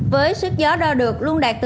với suất gió đo được luôn đạt từ bảy